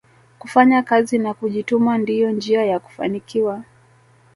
kufanya kazi na kujituma ndiyo njia ya kufanikiwa